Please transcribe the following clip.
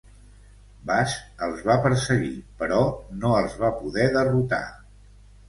Bas els va perseguir però no els va poder derrotar.